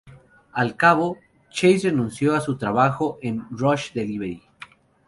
Al cabo, Chase renunció a su trabajo en "Rush Delivery".